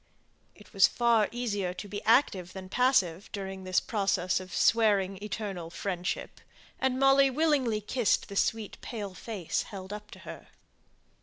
It was far easier to be active than passive during this process of "swearing eternal friendship," and Molly willingly kissed the sweet pale face held up to her.